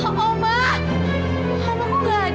yang sepupu banget